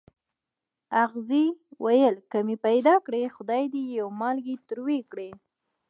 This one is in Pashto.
اغزي ویل که مې پیدا کړې خدای دې یو مالګی تروې کړي.